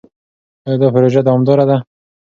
ایا دا پروژه دوامداره ده؟